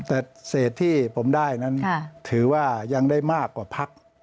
แต่เศษที่ผมได้นั้นถือว่ายังได้มากกว่าพัก